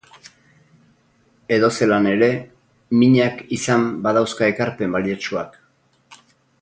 Edozelan ere, minak izan badauzka ekarpen baliotsuak.